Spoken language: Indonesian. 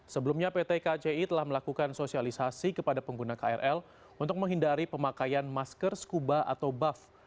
sebelumnya pt kci telah melakukan sosialisasi kepada pengguna krl untuk menghindari pemakaian masker scuba atau buff